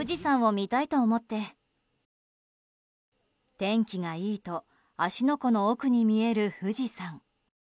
天気がいいと芦ノ湖の奥に見える富士山。